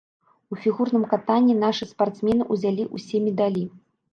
У фігурным катанні нашы спартсмены ўзялі ўсе медалі.